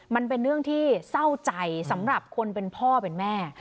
มันเป็นเรื่องที่เศร้าใจสำหรับคนเป็นพ่อเป็นแม่